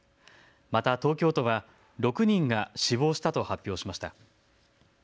また東京都は６人が死亡したと発表しました。